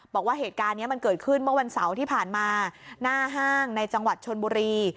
บอกว่าเหตุการณ์นี้มันเกิดขึ้นเมื่อวันเสาร์ที่ผ่านมาหน้าห้างในจังหวัดชนบุรี